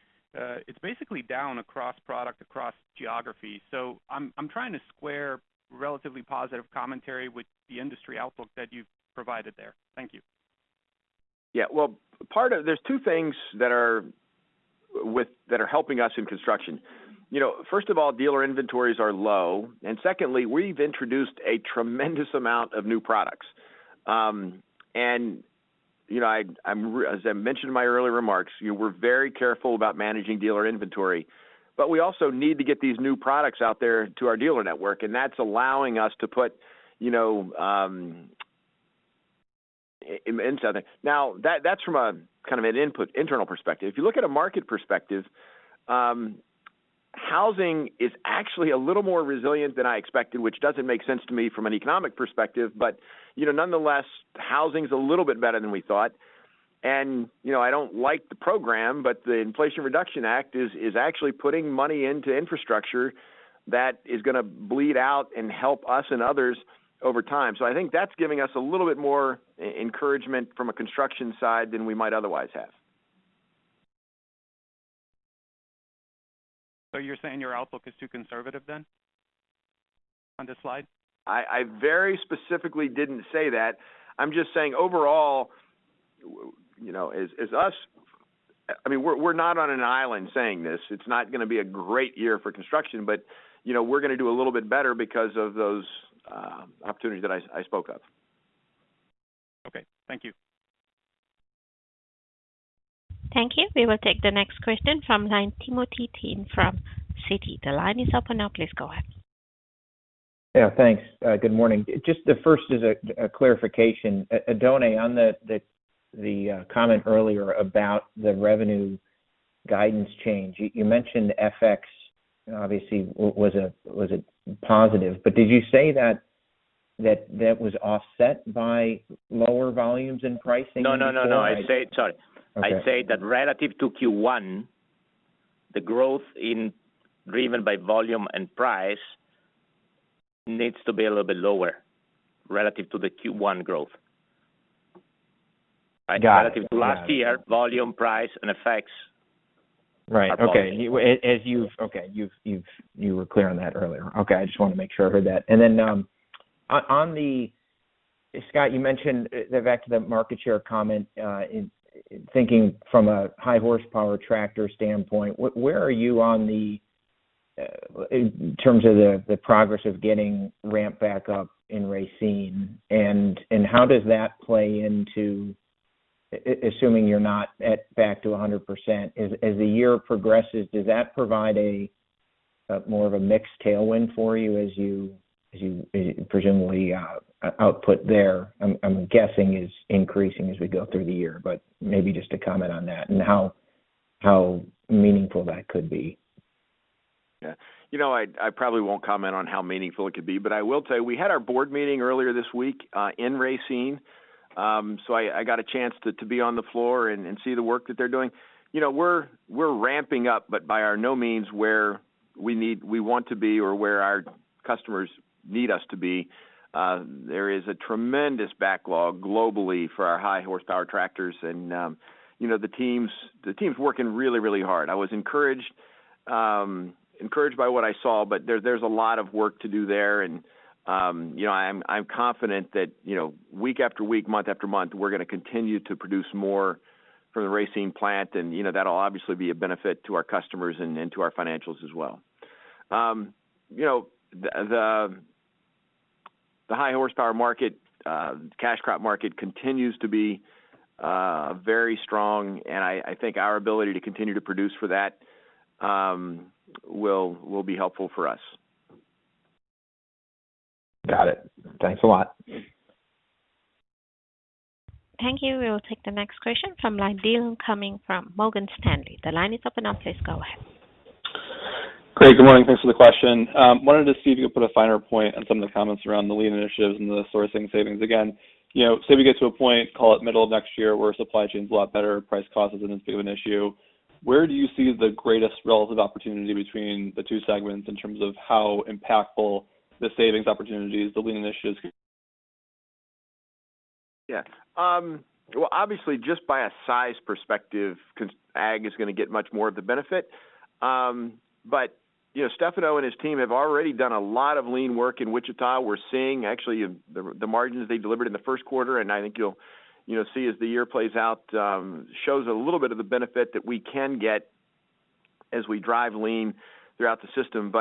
it's basically down across product, across geographies. I'm trying to square relatively positive commentary with the industry outlook that you've provided there. Thank you. Well, there's two things that are helping us in construction. You know, first of all, dealer inventories are low, and secondly, we've introduced a tremendous amount of new products. You know, I'm as I mentioned in my earlier remarks, we're very careful about managing dealer inventory. We also need to get these new products out there to our dealer network, and that's allowing us to put, you know... Now, that's from a kind of an input internal perspective. If you look at a market perspective, housing is actually a little more resilient than I expected, which doesn't make sense to me from an economic perspective. You know, nonetheless, housing's a little bit better than we thought. You know, I don't like the program, but the Inflation Reduction Act is actually putting money into infrastructure that is gonna bleed out and help us and others over time. I think that's giving us a little bit more encouragement from a construction side than we might otherwise have. You're saying your outlook is too conservative then on this slide? I very specifically didn't say that. I'm just saying overall, you know, as us... I mean, we're not on an island saying this. It's not gonna be a great year for construction. You know, we're gonna do a little bit better because of those opportunities that I spoke of. Okay. Thank you. Thank you. We will take the next question from line, Timothy Thein from Citi. The line is open now. Please go ahead. Yeah, thanks. Good morning. Just the first is a clarification. Oddone, on the comment earlier about the revenue guidance change, you mentioned FX obviously was a positive. Did you say that was offset by lower volumes in pricing? No, no, no. I said... Sorry. Okay. I said that relative to Q1, the growth in driven by volume and price needs to be a little bit lower relative to the Q1 growth. Got it. Got it. Relative to last year, volume, price and effects- Right. Okay. are positive. Okay. You've, you were clear on that earlier. Okay. I just wanna make sure I heard that. Scott, you mentioned, back to the market share comment, in thinking from a high horsepower tractor standpoint, where are you on the in terms of the progress of getting ramped back up in Racine? How does that play into assuming you're not at back to 100%, as the year progresses, does that provide a more of a mixed tailwind for you as you, as you presumably, output there, I'm guessing is increasing as we go through the year, but maybe just to comment on that and how meaningful that could be. Yeah. You know what? I probably won't comment on how meaningful it could be. I will tell you, we had our board meeting earlier this week in Racine. I got a chance to be on the floor and see the work that they're doing. You know, we're ramping up, by our no means where we want to be or where our customers need us to be. There is a tremendous backlog globally for our high horsepower tractors and, you know, the team's working really, really hard. I was encouraged by what I saw, there's a lot of work to do there. You know, I'm confident that, you know, week after week, month after month, we're gonna continue to produce more for the Racine plant. You know, that'll obviously be a benefit to our customers and to our financials as well. You know, the high horsepower market, cash crop market continues to be very strong, and I think our ability to continue to produce for that will be helpful for us. Got it. Thanks a lot. Thank you. We will take the next question from line Dillon Cumming from Morgan Stanley. The line is open now. Please go ahead. Great. Good morning. Thanks for the question. Wanted to see if you could put a finer point on some of the comments around the lean initiatives and the sourcing savings again. You know, say we get to a point, call it middle of next year, where supply chain is a lot better, price cost isn't as big of an issue. Where do you see the greatest relative opportunity between the two segments in terms of how impactful the savings opportunities, the lean initiatives? Yeah. Well, obviously, just by a size perspective, 'cause ag is gonna get much more of the benefit. You know, Stefano and his team have already done a lot of lean work in Wichita. We're seeing actually the margins they delivered in the first quarter, I think you'll, you know, see as the year plays out, shows a little bit of the benefit that we can get as we drive lean throughout the system.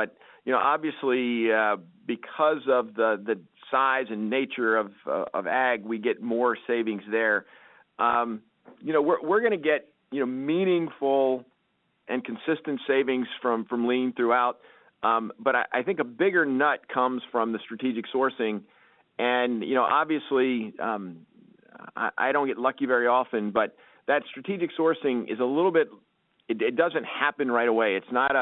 You know, obviously, because of the size and nature of ag, we get more savings there. You know, we're gonna get, you know, meaningful and consistent savings from lean throughout. I think a bigger nut comes from the strategic sourcing and, you know, obviously, I don't get lucky very often, but that strategic sourcing is a little bit... It doesn't happen right away. It's not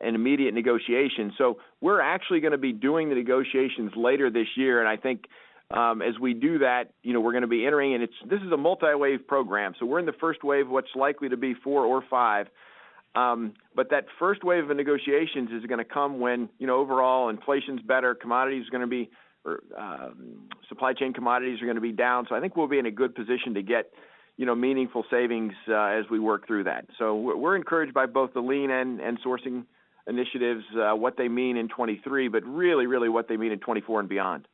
an immediate negotiation. We're actually gonna be doing the negotiations later this year. I think, as we do that, you know, we're gonna be entering and this is a multi-wave program, so we're in the first wave, what's likely to be four or five. That first wave of the negotiations is gonna come when, you know, overall inflation's better, supply chain commodities are gonna be down. I think we'll be in a good position to get, you know, meaningful savings as we work through that. We're encouraged by both the lean and sourcing initiatives, what they mean in 2023, but really what they mean in 2024 and beyond.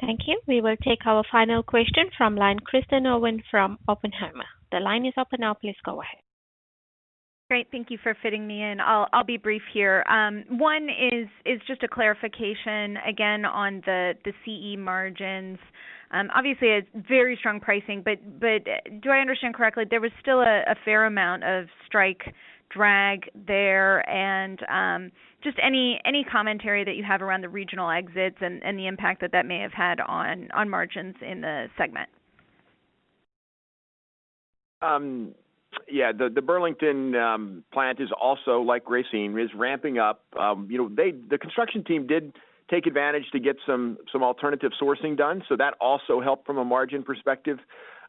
Thank you. We will take our final question from line, Kristen Owen from Oppenheimer. The line is open now. Please go ahead. Great. Thank you for fitting me in. I'll be brief here. One is just a clarification again on the CE margins. Obviously a very strong pricing, but do I understand correctly, there was still a fair amount of strike drag there and just any commentary that you have around the regional exits and the impact that that may have had on margins in the segment? Yeah, the Burlington plant is also, like Racine, is ramping up. You know, the construction team did take advantage to get some alternative sourcing done, so that also helped from a margin perspective.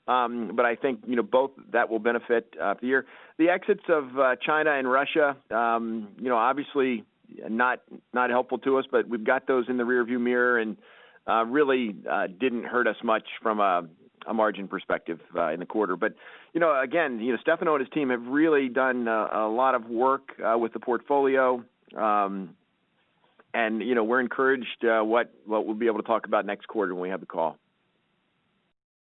I think, you know, both that will benefit the year. The exits of China and Russia, you know, obviously not helpful to us, but we've got those in the rear view mirror and really didn't hurt us much from a margin perspective in the quarter. You know, again, you know, Stefano and his team have really done a lot of work with the portfolio. You know, we're encouraged what we'll be able to talk about next quarter when we have the call.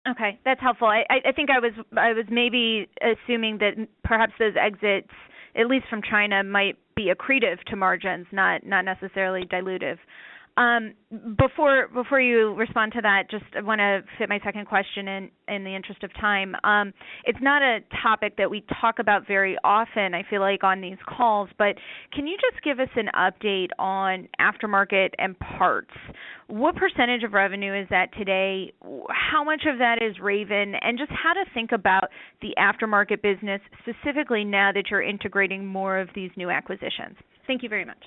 Okay. That's helpful. I think I was maybe assuming that perhaps those exits, at least from China, might be accretive to margins, not necessarily dilutive. Before you respond to that, just wanna fit my second question in the interest of time. It's not a topic that we talk about very often, I feel like, on these calls, but can you just give us an update on aftermarket and parts? What % of revenue is that today? How much of that is Raven? Just how to think about the aftermarket business specifically now that you're integrating more of these new acquisitions. Thank you very much.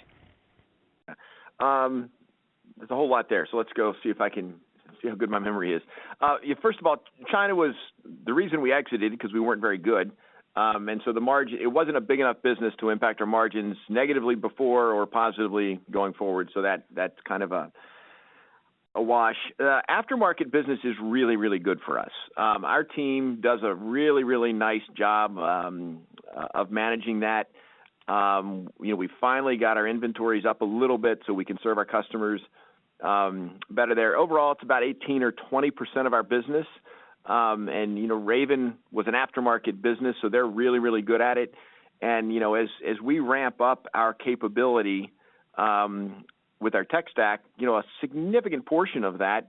There's a whole lot there, so let's go see if I can see how good my memory is. Yeah, first of all, China was the reason we exited 'cause we weren't very good. And so It wasn't a big enough business to impact our margins negatively before or positively going forward, so that's kind of a wash. Aftermarket business is really, really good for us. Our team does a really, really nice job of managing that. You know, we finally got our inventories up a little bit so we can serve our customers better there. Overall, it's about 18% or 20% of our business. And you know, Raven was an aftermarket business, so they're really, really good at it. You know, as we ramp up our capability, with our tech stack, you know, a significant portion of that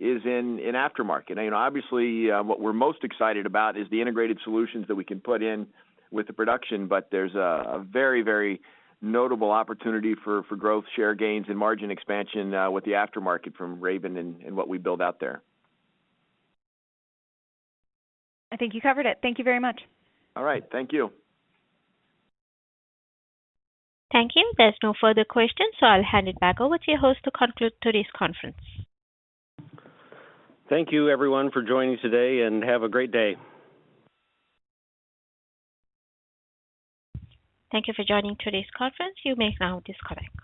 is in aftermarket. Obviously, what we're most excited about is the integrated solutions that we can put in with the production, but there's a very notable opportunity for growth share gains and margin expansion with the aftermarket from Raven and what we build out there. I think you covered it. Thank you very much. All right. Thank you. Thank you. There's no further questions. I'll hand it back over to your host to conclude today's conference. Thank you everyone for joining today, and have a great day. Thank you for joining today's conference. You may now disconnect.